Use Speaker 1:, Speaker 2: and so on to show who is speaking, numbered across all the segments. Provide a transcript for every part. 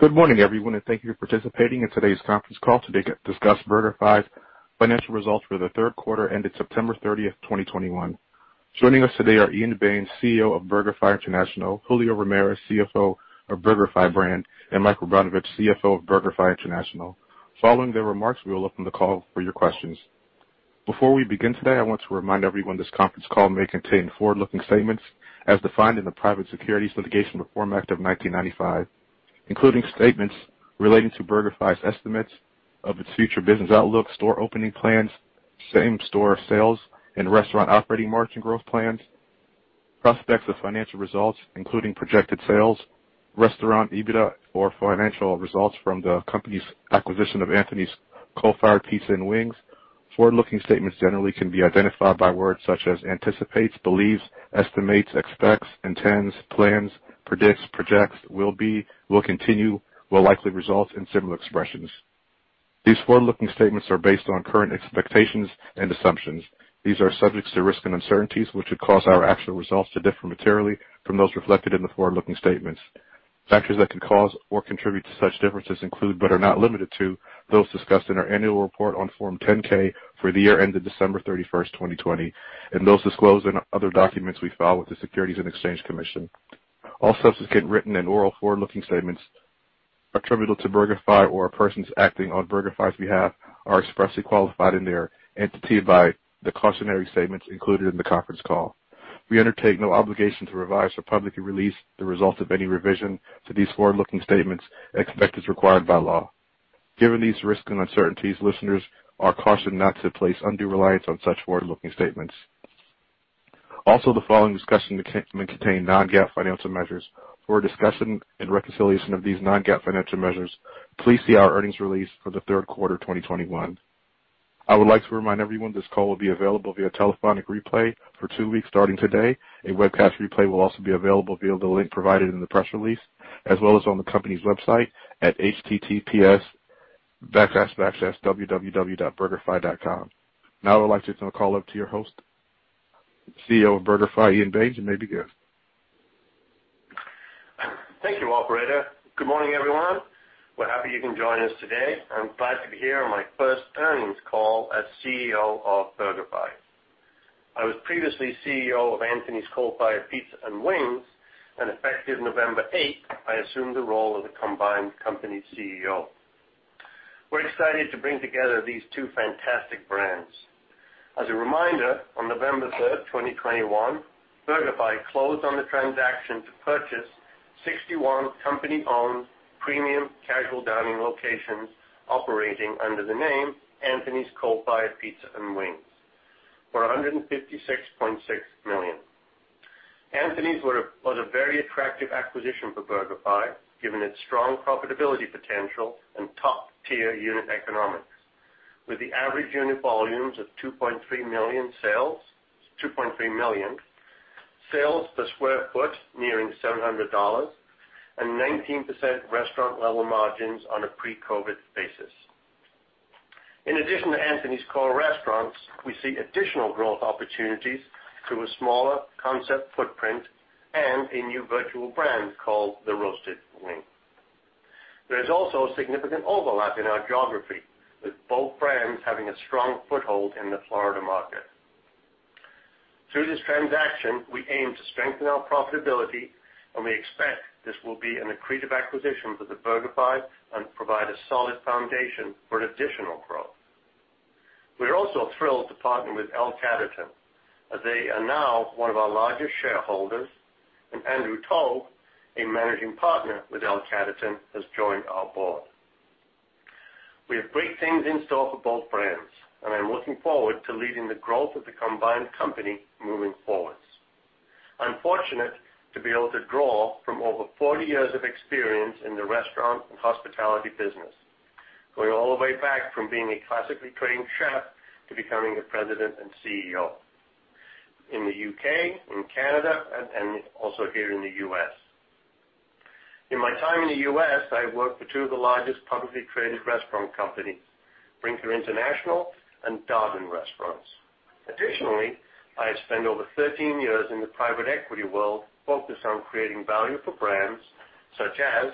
Speaker 1: Good morning, everyone, and thank you for participating in today's conference call to discuss BurgerFi's financial results for the third quarter ended September 30, 2021. Joining us today are Ian Baines, CEO of BurgerFi International, Julio Ramirez, CFO of BurgerFi Brand, and Michael Rabinovitch, CFO of BurgerFi International. Following their remarks, we will open the call for your questions. Before we begin today, I want to remind everyone this conference call may contain forward-looking statements as defined in the Private Securities Litigation Reform Act of 1995, including statements relating to BurgerFi's estimates of its future business outlook, store opening plans, same-store sales and restaurant operating margin growth plans, prospects of financial results, including projected sales, restaurant EBITDA or financial results from the company's acquisition of Anthony's Coal Fired Pizza & Wings. Forward-looking statements generally can be identified by words such as anticipates, believes, estimates, expects, intends, plans, predicts, projects, will be, will continue, will likely result, and similar expressions. These forward-looking statements are based on current expectations and assumptions. These are subject to risks and uncertainties which could cause our actual results to differ materially from those reflected in the forward-looking statements. Factors that could cause or contribute to such differences include, but are not limited to, those discussed in our annual report on Form 10-K for the year ended December 31, 2020, and those disclosed in other documents we file with the Securities and Exchange Commission. All subsequent written and oral forward-looking statements attributable to BurgerFi or persons acting on BurgerFi's behalf are expressly qualified in their entirety by the cautionary statements included in the conference call. We undertake no obligation to revise or publicly release the results of any revision to these forward-looking statements, except as required by law. Given these risks and uncertainties, listeners are cautioned not to place undue reliance on such forward-looking statements. Also, the following discussion may contain non-GAAP financial measures. For a discussion and reconciliation of these non-GAAP financial measures, please see our earnings release for the third quarter, 2021. I would like to remind everyone this call will be available via telephonic replay for two weeks starting today. A webcast replay will also be available via the link provided in the press release, as well as on the company's website at https://www.burgerfi.com. Now I would like to turn the call over to your host, CEO of BurgerFi, Ian Baines. You may begin.
Speaker 2: Thank you, operator. Good morning, everyone. We're happy you can join us today. I'm glad to be here on my first earnings call as CEO of BurgerFi. I was previously CEO of Anthony's Coal Fired Pizza & Wings, and effective November 8, I assumed the role of the combined company's CEO. We're excited to bring together these two fantastic brands. As a reminder, on November 3, 2021, BurgerFi closed on the transaction to purchase 61 company-owned premium casual dining locations operating under the name Anthony's Coal Fired Pizza & Wings for $156.6 million. Anthony's was a very attractive acquisition for BurgerFi, given its strong profitability potential and top-tier unit economics. With the average unit volumes of $2.3 million, sales per square foot nearing $700, and 19% restaurant-level margins on a pre-COVID basis. In addition to Anthony's core restaurants, we see additional growth opportunities through a smaller concept footprint and a new virtual brand called The Roasted Wing. There is also a significant overlap in our geography, with both brands having a strong foothold in the Florida market. Through this transaction, we aim to strengthen our profitability, and we expect this will be an accretive acquisition for the BurgerFi and provide a solid foundation for additional growth. We are also thrilled to partner with L Catterton, as they are now one of our largest shareholders, and Andrew Taub, a Managing Partner with L Catterton, has joined our board. We have great things in store for both brands, and I'm looking forward to leading the growth of the combined company moving forward. I'm fortunate to be able to draw from over 40 years of experience in the restaurant and hospitality business, going all the way back from being a classically trained chef to becoming a president and CEO in the U.K., in Canada, and also here in the U.S. In my time in the U.S., I worked for two of the largest publicly traded restaurant companies, Brinker International and Darden Restaurants. Additionally, I have spent over 13 years in the private equity world focused on creating value for brands such as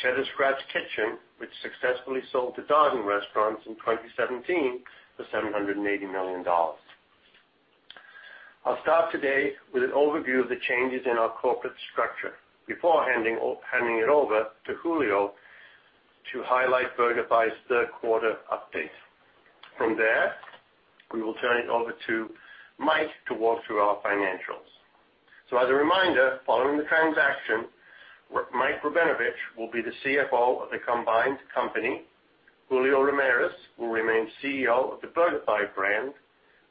Speaker 2: Cheddar's Scratch Kitchen, which successfully sold to Darden Restaurants in 2017 for $780 million. I'll start today with an overview of the changes in our corporate structure before handing it over to Julio to highlight BurgerFi's third quarter updates. From there, we will turn it over to Mike to walk through our financials. As a reminder, following the transaction, Michael Rabinovitch will be the CFO of the combined company, Julio Ramirez will remain CEO of the BurgerFi brand,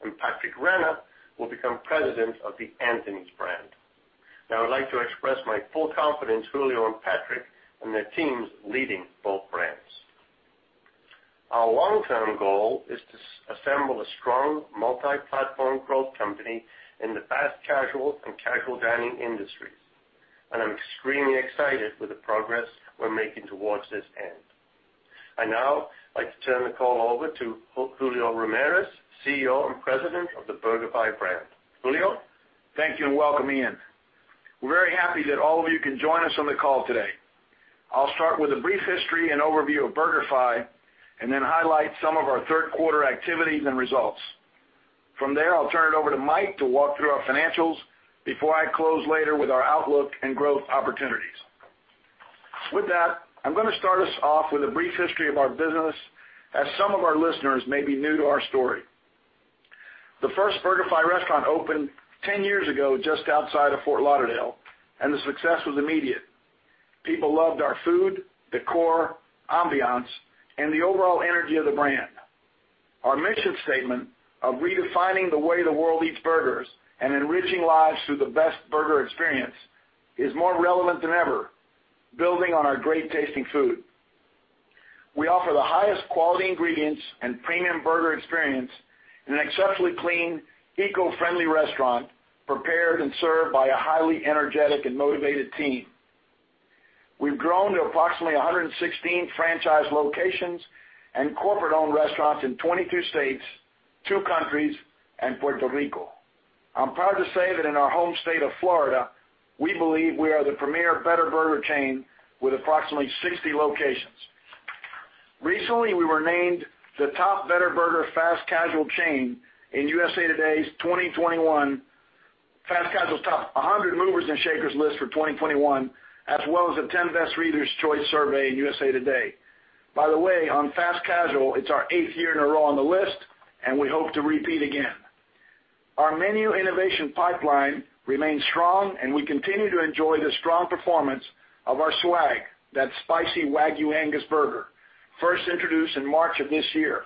Speaker 2: and Patrick Renna will become President of the Anthony's brand. Now, I'd like to express my full confidence in Julio and Patrick and their teams leading both brands. Our long-term goal is to assemble a strong multi-platform growth company in the fast casual and casual dining industries, and I'm extremely excited with the progress we're making towards this end. I now like to turn the call over to Julio Ramirez, CEO and President of the BurgerFi brand. Julio?
Speaker 3: Thank you, and welcome, Ian. We're very happy that all of you can join us on the call today. I'll start with a brief history and overview of BurgerFi, and then highlight some of our third quarter activities and results. From there, I'll turn it over to Mike to walk through our financials before I close later with our outlook and growth opportunities. With that, I'm gonna start us off with a brief history of our business as some of our listeners may be new to our story. The first BurgerFi restaurant opened 10 years ago just outside of Fort Lauderdale, and the success was immediate. People loved our food, decor, ambiance, and the overall energy of the brand. Our mission statement of redefining the way the world eats burgers and enriching lives through the best burger experience is more relevant than ever, building on our great-tasting food. We offer the highest quality ingredients and premium burger experience in an exceptionally clean, eco-friendly restaurant, prepared and served by a highly energetic and motivated team. We've grown to approximately 116 franchise locations and corporate-owned restaurants in 22 states, two countries, and Puerto Rico. I'm proud to say that in our home state of Florida, we believe we are the premier better burger chain with approximately 60 locations. Recently, we were named the top better burger fast casual chain in USA Today's 2021 FastCasual's Top 100 Movers & Shakers list for 2021, as well as the 10Best Readers' Choice survey in USA Today. By the way, on fast casual, it's our eighth year in a row on the list, and we hope to repeat again. Our menu innovation pipeline remains strong, and we continue to enjoy the strong performance of our SWAG, that Spicy Wagyu Angus burger, first introduced in March of this year.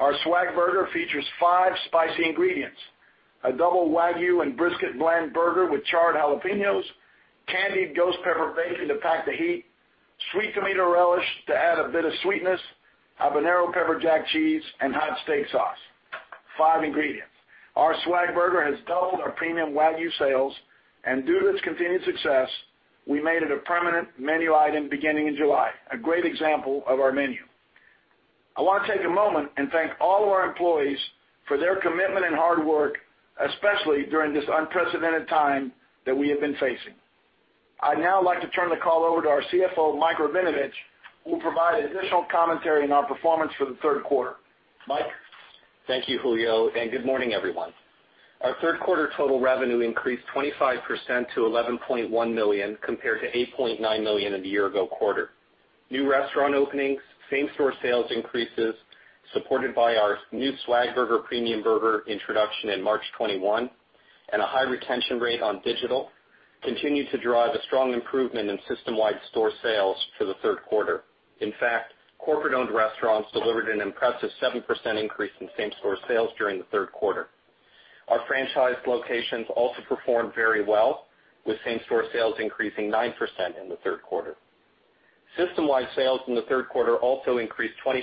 Speaker 3: Our SWAG burger features five spicy ingredients, a double Wagyu and brisket blend burger with charred jalapeños, candied ghost pepper bacon to pack the heat, sweet tomato relish to add a bit of sweetness, habanero pepper jack cheese, and hot steak sauce. Five ingredients. Our SWAG burger has doubled our premium Wagyu sales, and due to its continued success, we made it a permanent menu item beginning in July. A great example of our menu. I wanna take a moment and thank all of our employees for their commitment and hard work, especially during this unprecedented time that we have been facing. I'd now like to turn the call over to our CFO, Mike Rabinovitch, who will provide additional commentary on our performance for the third quarter. Mike?
Speaker 4: Thank you, Julio, and good morning, everyone. Our third quarter total revenue increased 25% to $11.1 million, compared to $8.9 million in the year ago quarter. New restaurant openings, same-store sales increases, supported by our new SWAG burger premium burger introduction in March 2021, and a high retention rate on digital continued to drive a strong improvement in system-wide store sales for the third quarter. In fact, corporate-owned restaurants delivered an impressive 7% increase in same-store sales during the third quarter. Our franchise locations also performed very well, with same-store sales increasing 9% in the third quarter. System-wide sales in the third quarter also increased 25%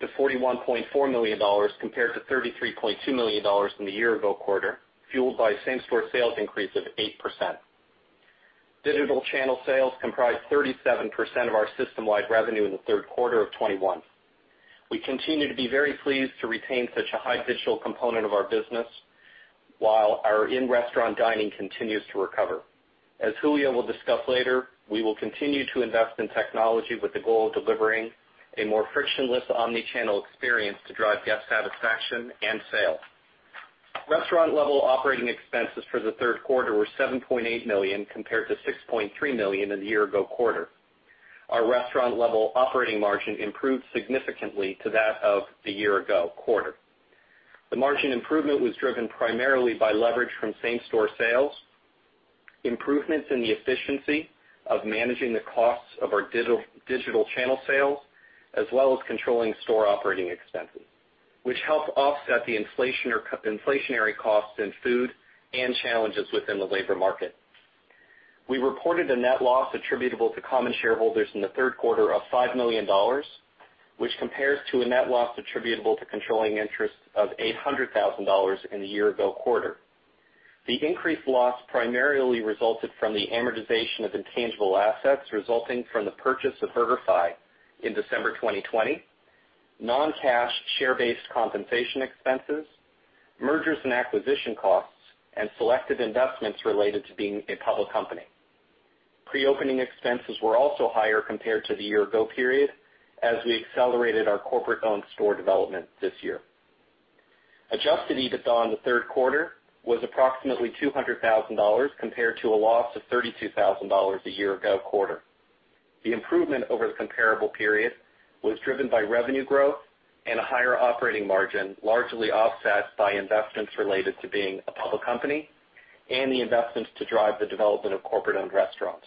Speaker 4: to $41.4 million, compared to $33.2 million in the year ago quarter, fueled by same-store sales increase of 8%. Digital channel sales comprised 37% of our system-wide revenue in the third quarter of 2021. We continue to be very pleased to retain such a high digital component of our business while our in-restaurant dining continues to recover. As Julio will discuss later, we will continue to invest in technology with the goal of delivering a more frictionless omni-channel experience to drive guest satisfaction and sales. Restaurant-level operating expenses for the third quarter were $7.8 million, compared to $6.3 million in the year ago quarter. Our restaurant-level operating margin improved significantly to that of the year ago quarter. The margin improvement was driven primarily by leverage from same-store sales, improvements in the efficiency of managing the costs of our digital channel sales, as well as controlling store operating expenses, which help offset the inflationary costs in food and challenges within the labor market. We reported a net loss attributable to common shareholders in the third quarter of $5 million, which compares to a net loss attributable to controlling interest of $800,000 in the year-ago quarter. The increased loss primarily resulted from the amortization of intangible assets resulting from the purchase of BurgerFi in December 2020, non-cash share-based compensation expenses, mergers and acquisitions costs, and selective investments related to being a public company. Pre-opening expenses were also higher compared to the year-ago period as we accelerated our corporate-owned store development this year. Adjusted EBITDA in the third quarter was approximately $200,000, compared to a loss of $32,000 in the year-ago quarter. The improvement over the comparable period was driven by revenue growth and a higher operating margin, largely offset by investments related to being a public company and the investments to drive the development of corporate-owned restaurants.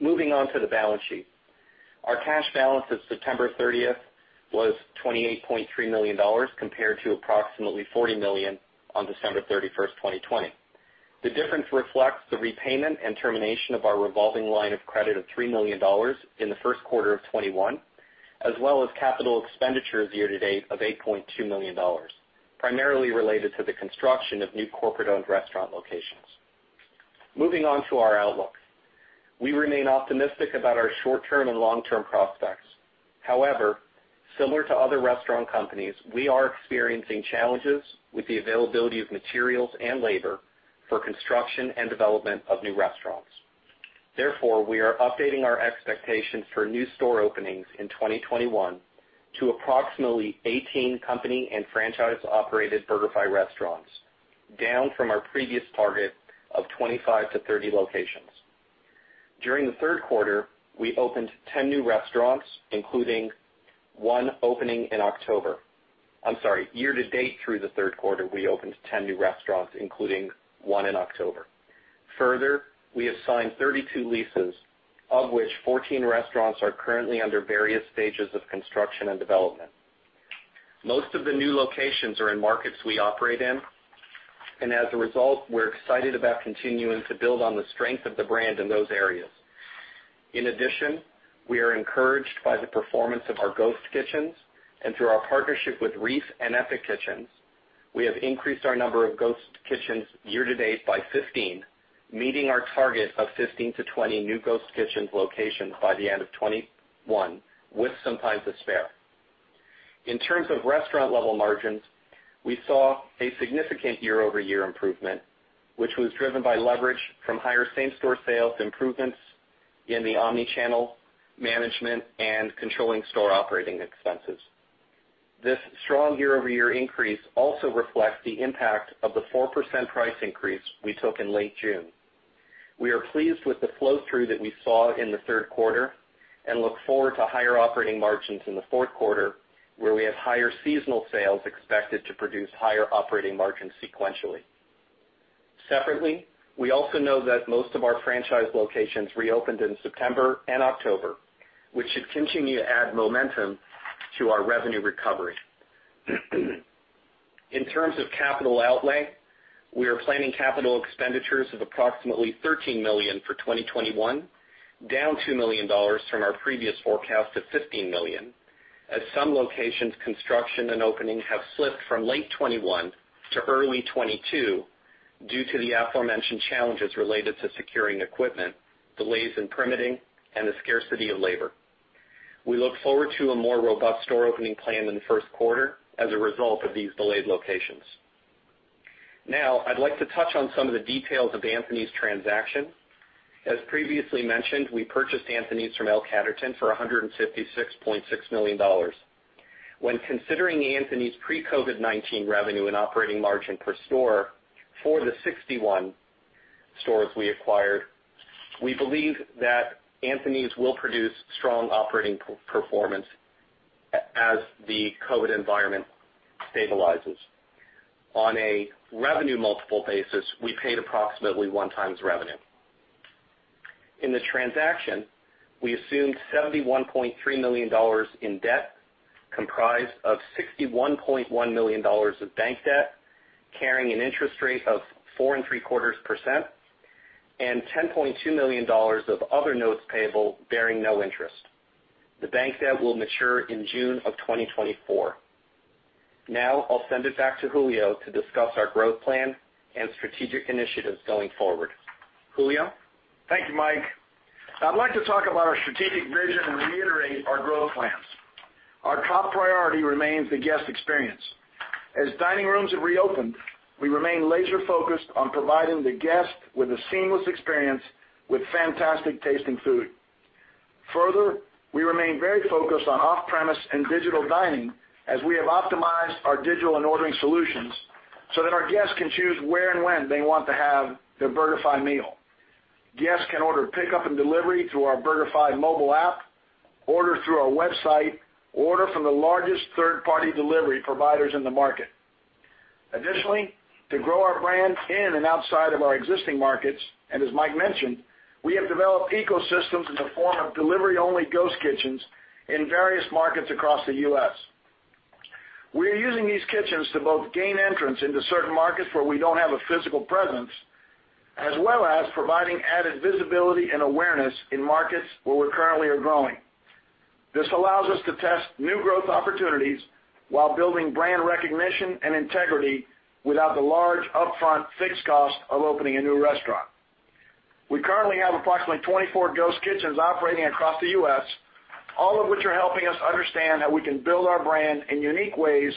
Speaker 4: Moving on to the balance sheet. Our cash balance as of September 30 was $28.3 million, compared to approximately $40 million on December 31, 2020. The difference reflects the repayment and termination of our revolving line of credit of $3 million in the first quarter of 2021, as well as capital expenditures year to date of $8.2 million, primarily related to the construction of new corporate-owned restaurant locations. Moving on to our outlook. We remain optimistic about our short-term and long-term prospects. However, similar to other restaurant companies, we are experiencing challenges with the availability of materials and labor for construction and development of new restaurants. Therefore, we are updating our expectations for new store openings in 2021 to approximately 18 company and franchise-operated BurgerFi restaurants, down from our previous target of 25-30 locations. Year to date through the third quarter, we opened 10 new restaurants, including one opening in October. Further, we have signed 32 leases, of which 14 restaurants are currently under various stages of construction and development. Most of the new locations are in markets we operate in, and as a result, we're excited about continuing to build on the strength of the brand in those areas. In addition, we are encouraged by the performance of our ghost kitchens, and through our partnership with Reef and Epic Kitchens, we have increased our number of ghost kitchens year-to-date by 15, meeting our target of 15-20 new ghost kitchens locations by the end of 2021, with some time to spare. In terms of restaurant level margins, we saw a significant year-over-year improvement, which was driven by leverage from higher same-store sales improvements in the omni-channel management and controlling store operating expenses. This strong year-over-year increase also reflects the impact of the 4% price increase we took in late June. We are pleased with the flow-through that we saw in the third quarter and look forward to higher operating margins in the fourth quarter, where we have higher seasonal sales expected to produce higher operating margins sequentially. Separately, we also know that most of our franchise locations reopened in September and October, which should continue to add momentum to our revenue recovery. In terms of capital outlay, we are planning capital expenditures of approximately $13 million for 2021, down $2 million from our previous forecast of $15 million, as some locations construction and opening have slipped from late 2021 to early 2022 due to the aforementioned challenges related to securing equipment, delays in permitting, and the scarcity of labor. We look forward to a more robust store opening plan in the first quarter as a result of these delayed locations. Now, I'd like to touch on some of the details of Anthony's transaction. As previously mentioned, we purchased Anthony's from L Catterton for $156.6 million. When considering Anthony's pre-COVID-19 revenue and operating margin per store for the 61 stores we acquired, we believe that Anthony's will produce strong operating performance as the COVID environment stabilizes. On a revenue multiple basis, we paid approximately 1x revenue. In the transaction, we assumed $71.3 million in debt, comprised of $61.1 million of bank debt, carrying an interest rate of 4.75%, and $10.2 million of other notes payable bearing no interest. The bank debt will mature in June 2024. Now, I'll send it back to Julio to discuss our growth plan and strategic initiatives going forward. Julio.
Speaker 3: Thank you, Mike. I'd like to talk about our strategic vision and reiterate our growth plans. Our top priority remains the guest experience. As dining rooms have reopened, we remain laser-focused on providing the guest with a seamless experience with fantastic tasting food. Further, we remain very focused on off-premise and digital dining as we have optimized our digital and ordering solutions so that our guests can choose where and when they want to have their BurgerFi meal. Guests can order pickup and delivery through our BurgerFi mobile app, order through our website, order from the largest third-party delivery providers in the market. Additionally, to grow our brands in and outside of our existing markets, and as Mike mentioned, we have developed ecosystems in the form of delivery-only ghost kitchens in various markets across the U.S. We are using these kitchens to both gain entrance into certain markets where we don't have a physical presence, as well as providing added visibility and awareness in markets where we currently are growing. This allows us to test new growth opportunities while building brand recognition and integrity without the large upfront fixed cost of opening a new restaurant. We currently have approximately 24 ghost kitchens operating across the U.S., all of which are helping us understand how we can build our brand in unique ways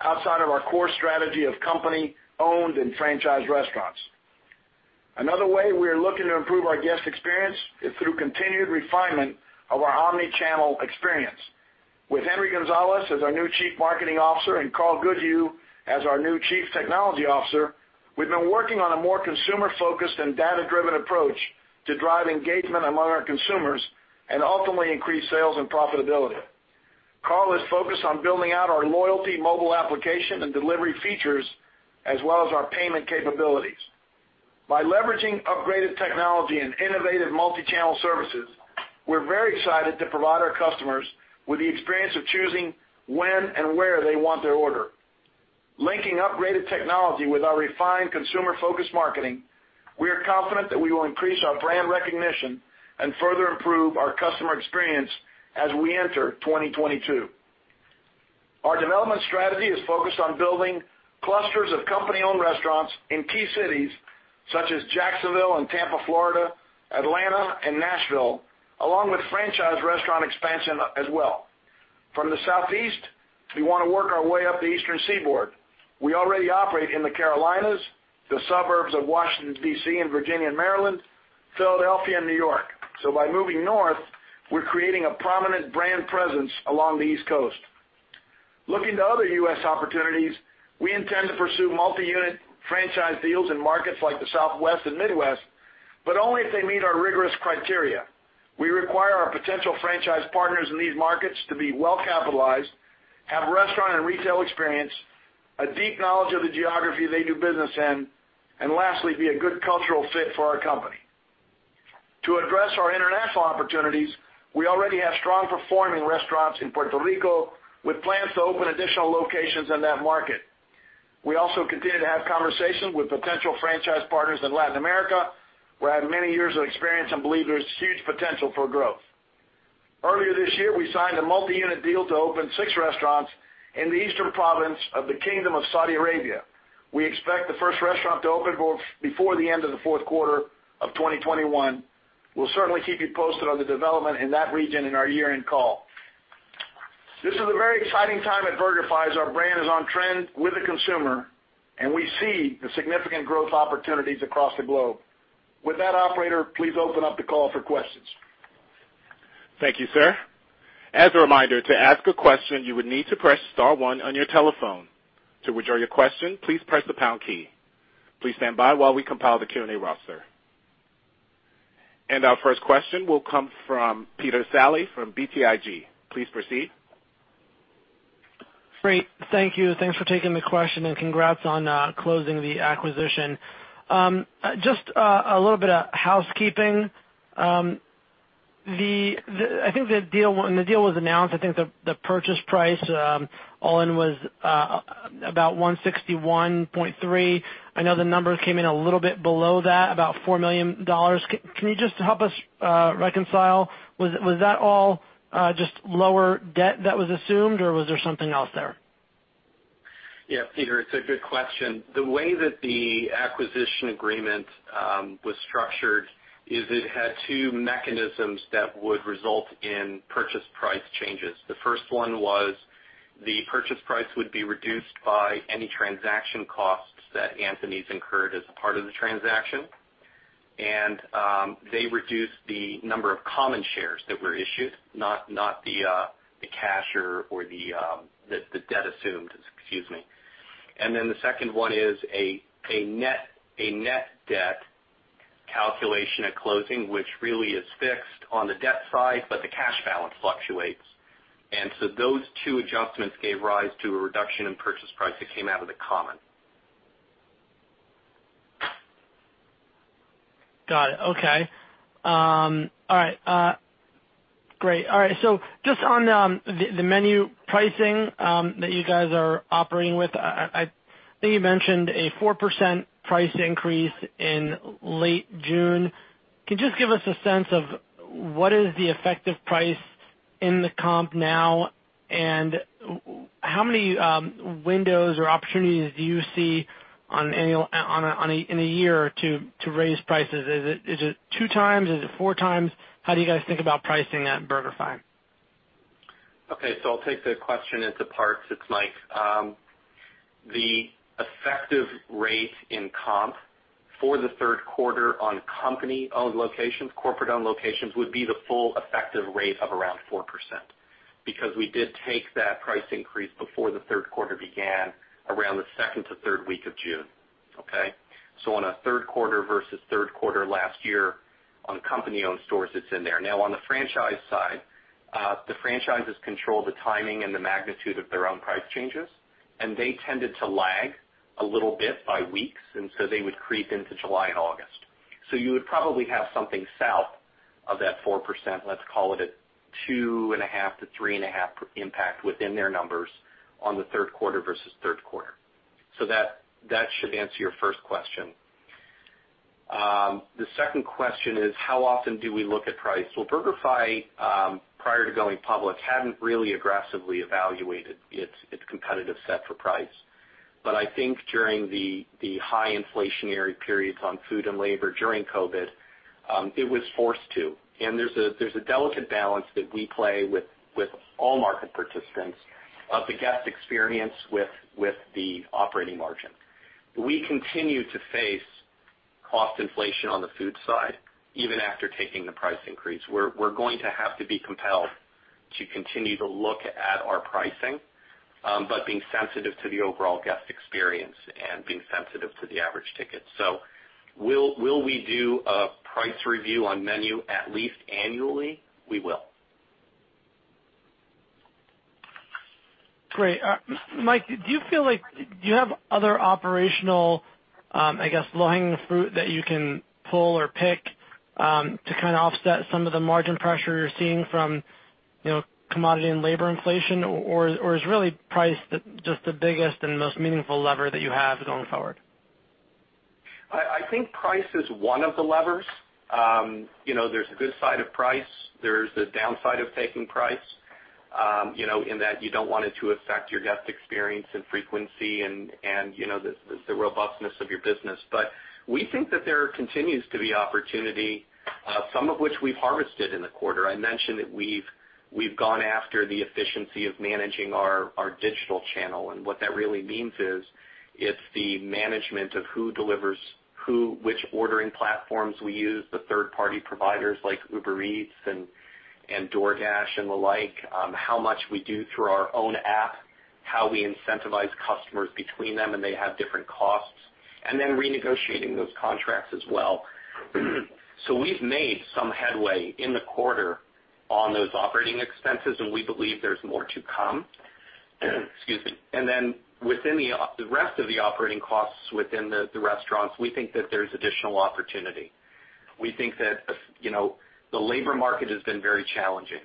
Speaker 3: outside of our core strategy of company-owned and franchised restaurants. Another way we are looking to improve our guest experience is through continued refinement of our omni-channel experience. With Henry Gonzalez as our new Chief Marketing Officer and Karl Goodhew as our new Chief Technology Officer, we've been working on a more consumer-focused and data-driven approach to drive engagement among our consumers and ultimately increase sales and profitability. Karl is focused on building out our loyalty mobile application and delivery features as well as our payment capabilities. By leveraging upgraded technology and innovative multi-channel services, we're very excited to provide our customers with the experience of choosing when and where they want their order. Linking upgraded technology with our refined consumer focus marketing, we are confident that we will increase our brand recognition and further improve our customer experience as we enter 2022. Our development strategy is focused on building clusters of company-owned restaurants in key cities such as Jacksonville and Tampa, Florida, Atlanta and Nashville, along with franchise restaurant expansion as well. From the Southeast, we wanna work our way up the Eastern Seaboard. We already operate in the Carolinas, the suburbs of Washington, D.C., and Virginia and Maryland, Philadelphia and New York. By moving north, we're creating a prominent brand presence along the East Coast. Looking to other U.S. opportunities, we intend to pursue multi-unit franchise deals in markets like the Southwest and Midwest, but only if they meet our rigorous criteria. We require our potential franchise partners in these markets to be well-capitalized, have restaurant and retail experience, a deep knowledge of the geography they do business in, and lastly, be a good cultural fit for our company. To address our international opportunities, we already have strong performing restaurants in Puerto Rico, with plans to open additional locations in that market. We also continue to have conversations with potential franchise partners in Latin America, where I have many years of experience and believe there's huge potential for growth. Earlier this year, we signed a multi-unit deal to open 6 restaurants in the eastern province of the Kingdom of Saudi Arabia. We expect the first restaurant to open before the end of the fourth quarter of 2021. We'll certainly keep you posted on the development in that region in our year-end call. This is a very exciting time at BurgerFi as our brand is on trend with the consumer, and we see the significant growth opportunities across the globe. With that, operator, please open up the call for questions.
Speaker 1: Thank you, sir. As a reminder, to ask a question, you would need to press star one on your telephone. To withdraw your question, please press the pound key. Please stand by while we compile the Q&A roster. Our first question will come from Peter Saleh from BTIG. Please proceed.
Speaker 5: Great. Thank you. Thanks for taking the question, and congrats on closing the acquisition. Just a little bit of housekeeping. I think the deal when the deal was announced, I think the purchase price all-in was about $161.3 million. I know the numbers came in a little bit below that, about $4 million. Can you just help us reconcile? Was that all just lower debt that was assumed, or was there something else there?
Speaker 4: Yeah, Peter, it's a good question. The way that the acquisition agreement was structured is it had two mechanisms that would result in purchase price changes. The first one was the purchase price would be reduced by any transaction costs that Anthony's incurred as a part of the transaction. They reduced the number of common shares that were issued, not the cash or the debt assumed. The second one is a net debt calculation at closing, which really is fixed on the debt side, but the cash balance fluctuates. Those two adjustments gave rise to a reduction in purchase price that came out of the common.
Speaker 5: Got it. Okay. All right, great. All right, so just on the menu pricing that you guys are operating with, I think you mentioned a 4% price increase in late June. Can you just give us a sense of what is the effective price in the comp now, and how many windows or opportunities do you see on a in a year to raise prices? Is it two times? Is it four times? How do you guys think about pricing at BurgerFi?
Speaker 4: Okay, I'll take the question into parts. It's Mike. The effective rate in comp for the third quarter on company-owned locations, corporate-owned locations, would be the full effective rate of around 4% because we did take that price increase before the third quarter began around the second to third week of June. Okay? On a third quarter versus third quarter last year on company-owned stores, it's in there. Now on the franchise side, the franchises control the timing and the magnitude of their own price changes, and they tended to lag a little bit by weeks, and so they would creep into July and August. You would probably have something south of that 4%, let's call it a 2.5%-3.5% impact within their numbers on the third quarter versus third quarter. That should answer your first question. The second question is how often do we look at price? Well, BurgerFi, prior to going public, hadn't really aggressively evaluated its competitive set for price. I think during the high inflationary periods on food and labor during COVID, it was forced to. There's a delicate balance that we play with all market participants of the guest experience with the operating margin. We continue to face cost inflation on the food side, even after taking the price increase. We're going to have to be compelled to continue to look at our pricing, but being sensitive to the overall guest experience and being sensitive to the average ticket. Will we do a price review on menu at least annually? We will.
Speaker 5: Great. Mike, do you have other operational, I guess, low-hanging fruit that you can pull or pick to kinda offset some of the margin pressure you're seeing from, you know, commodity and labor inflation, or is price really the biggest and most meaningful lever that you have going forward?
Speaker 4: I think price is one of the levers. You know, there's a good side of price, there's the downside of taking price, you know, in that you don't want it to affect your guest experience and frequency and, you know, the robustness of your business. But we think that there continues to be opportunity, some of which we've harvested in the quarter. I mentioned that we've gone after the efficiency of managing our digital channel. What that really means is it's the management of which ordering platforms we use, the third party providers like Uber Eats and DoorDash and the like, how much we do through our own app, how we incentivize customers between them, and they have different costs, and then renegotiating those contracts as well. We've made some headway in the quarter on those operating expenses, and we believe there's more to come. Excuse me. Then within the rest of the operating costs within the restaurants, we think that there's additional opportunity. We think that, you know, the labor market has been very challenging.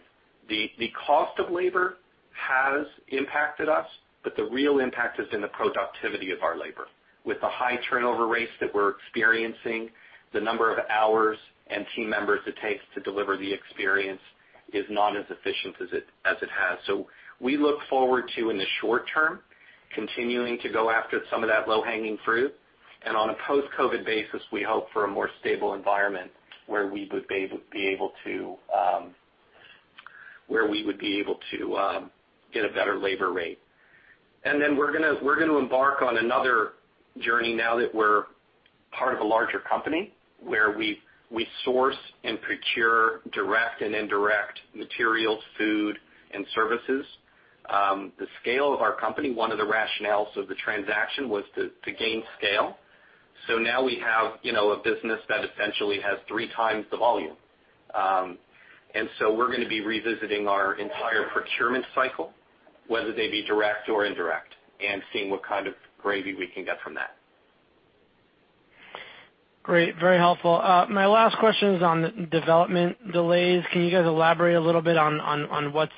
Speaker 4: The cost of labor has impacted us, but the real impact has been the productivity of our labor. With the high turnover rates that we're experiencing, the number of hours and team members it takes to deliver the experience is not as efficient as it has. We look forward to, in the short term, continuing to go after some of that low-hanging fruit. On a post-COVID basis, we hope for a more stable environment where we would be able to get a better labor rate. We're gonna embark on another journey now that we're part of a larger company, where we source and procure direct and indirect materials, food and services. The scale of our company, one of the rationales of the transaction was to gain scale. Now we have, you know, a business that essentially has three times the volume. We're gonna be revisiting our entire procurement cycle, whether they be direct or indirect, and seeing what kind of gravy we can get from that.
Speaker 5: Great. Very helpful. My last question is on the development delays. Can you guys elaborate a little bit on what's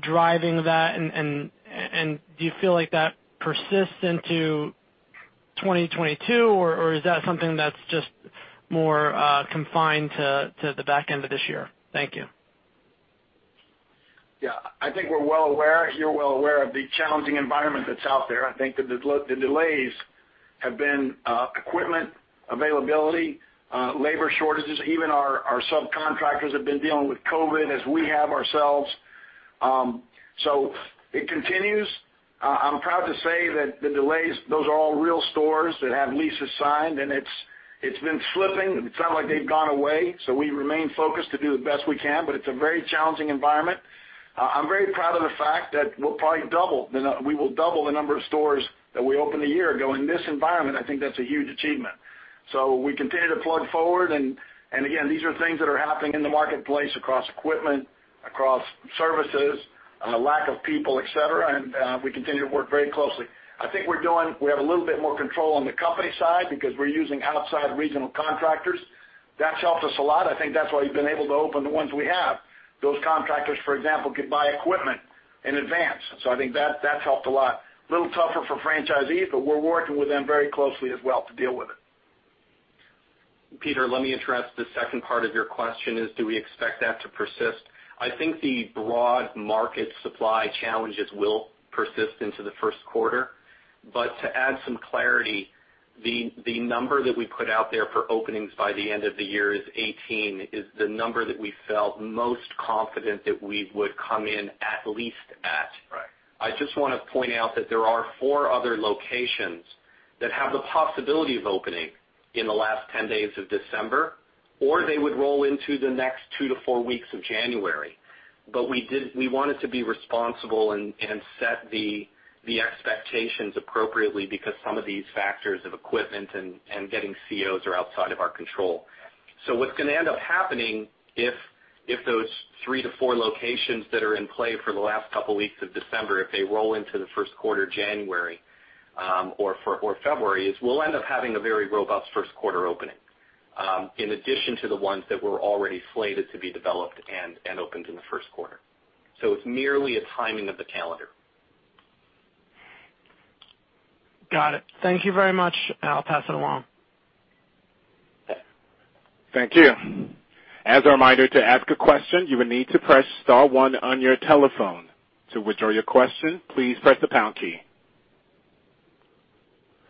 Speaker 5: driving that? Do you feel like that persists into 2022, or is that something that's just more confined to the back end of this year? Thank you.
Speaker 3: I think we're well aware, you're well aware of the challenging environment that's out there. I think the delays have been equipment availability, labor shortages. Even our subcontractors have been dealing with COVID as we have ourselves. It continues. I'm proud to say that the delays, those are all real stores that have leases signed, and it's been slipping. It's not like they've gone away. We remain focused to do the best we can, but it's a very challenging environment. I'm very proud of the fact that we will double the number of stores that we opened a year ago. In this environment, I think that's a huge achievement. We continue to plug forward. Again, these are things that are happening in the marketplace across equipment, across services, lack of people, et cetera. We continue to work very closely. I think we have a little bit more control on the company side because we're using outside regional contractors. That's helped us a lot. I think that's why we've been able to open the ones we have. Those contractors, for example, could buy equipment in advance. I think that's helped a lot. A little tougher for franchisees, but we're working with them very closely as well to deal with it.
Speaker 4: Peter, let me address the second part of your question is, do we expect that to persist? I think the broad market supply challenges will persist into the first quarter. To add some clarity, the number that we put out there for openings by the end of the year is 18, is the number that we felt most confident that we would come in at least at.
Speaker 3: Right.
Speaker 4: I just wanna point out that there are 4 other locations that have the possibility of opening in the last 10 days of December, or they would roll into the next 2-4 weeks of January. We wanted to be responsible and set the expectations appropriately because some of these factors of equipment and getting COs are outside of our control. What's gonna end up happening if those 3-4 locations that are in play for the last couple weeks of December, if they roll into the first quarter, January, or February, is we'll end up having a very robust first quarter opening, in addition to the ones that were already slated to be developed and opened in the first quarter. It's merely a timing of the calendar.
Speaker 5: Got it. Thank you very much, and I'll pass it along.
Speaker 1: Thank you. As a reminder to ask a question, you will need to press star one on your telephone. To withdraw your question, please press the pound key.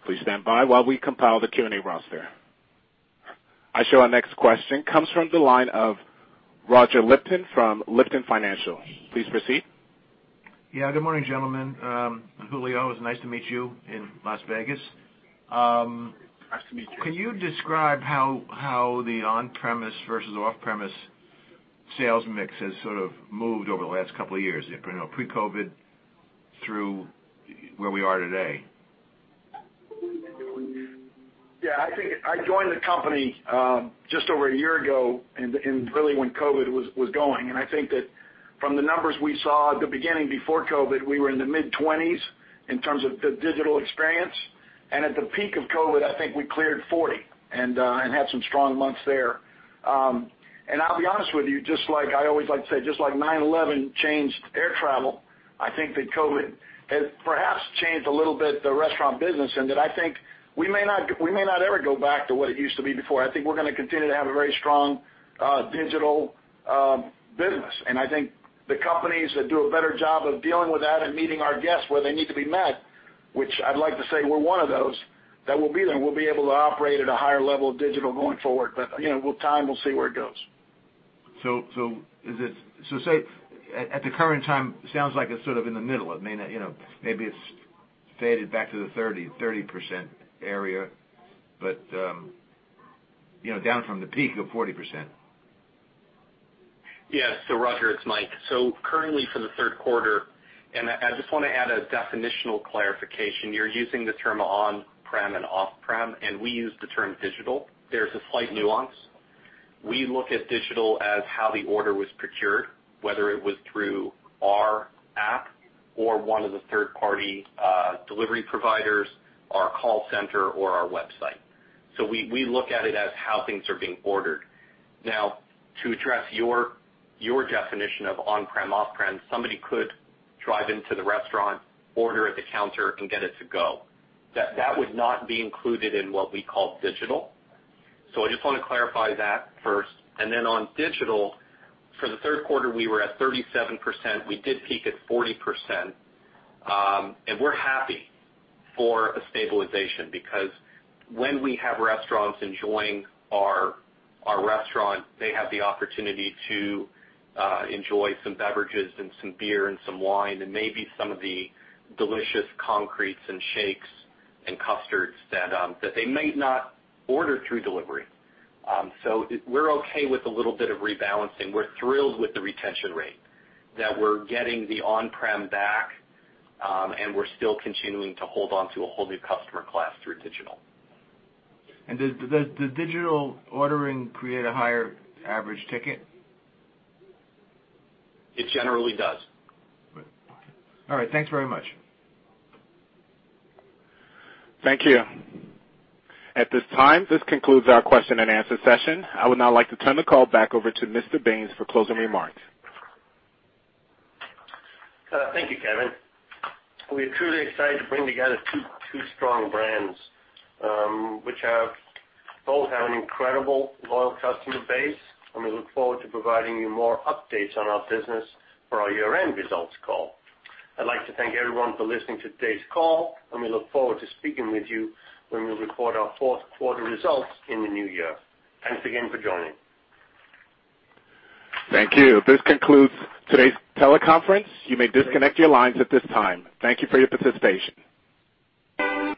Speaker 1: Please stand by while we compile the Q&A roster. Our next question comes from the line of Roger Lipton from Lipton Financial Services. Please proceed.
Speaker 6: Yeah, good morning, gentlemen. Julio, it was nice to meet you in Las Vegas.
Speaker 3: Nice to meet you.
Speaker 6: Can you describe how the on-premise versus off-premise sales mix has sort of moved over the last couple of years, you know, pre-COVID through where we are today?
Speaker 3: Yeah, I think I joined the company just over a year ago and really when COVID was going. I think that from the numbers we saw at the beginning before COVID, we were in the mid-20s% in terms of the digital experience. At the peak of COVID, I think we cleared 40% and had some strong months there. I'll be honest with you, just like I always like to say, just like 9/11 changed air travel. I think that COVID has perhaps changed a little bit the restaurant business, and that I think we may not ever go back to what it used to be before. I think we're gonna continue to have a very strong digital business. I think the companies that do a better job of dealing with that and meeting our guests where they need to be met, which I'd like to say we're one of those, that we'll be there. We'll be able to operate at a higher level of digital going forward. You know, with time, we'll see where it goes.
Speaker 6: At the current time, it sounds like it's sort of in the middle. I mean, you know, maybe it's faded back to the 30% area. But, you know, down from the peak of 40%.
Speaker 4: Yes, Roger, it's Mike. Currently for the third quarter, I just want to add a definitional clarification. You're using the term on-prem and off-prem, and we use the term digital. There's a slight nuance. We look at digital as how the order was procured, whether it was through our app or one of the third-party delivery providers, our call center or our website. We look at it as how things are being ordered. Now to address your definition of on-prem, off-prem, somebody could drive into the restaurant, order at the counter and get it to go. That would not be included in what we call digital. I just want to clarify that first. Then on digital, for the third quarter, we were at 37%. We did peak at 40%. We're happy for a stabilization, because when we have restaurants enjoying our restaurant, they have the opportunity to enjoy some beverages and some beer and some wine and maybe some of the delicious concretes and shakes and custards that they may not order through delivery. We're okay with a little bit of rebalancing. We're thrilled with the retention rate that we're getting the on-prem back, and we're still continuing to hold on to a whole new customer class through digital.
Speaker 6: Does the digital ordering create a higher average ticket?
Speaker 4: It generally does.
Speaker 6: All right. Thanks very much.
Speaker 1: Thank you. At this time, this concludes our question and answer session. I would now like to turn the call back over to Mr. Baines for closing remarks.
Speaker 2: Thank you, Kevin. We are truly excited to bring together two strong brands, which both have an incredible loyal customer base, and we look forward to providing you more updates on our business for our year-end results call. I'd like to thank everyone for listening to today's call, and we look forward to speaking with you when we record our fourth quarter results in the new year. Thanks again for joining.
Speaker 1: Thank you. This concludes today's teleconference. You may disconnect your lines at this time. Thank you for your participation.